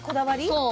そう。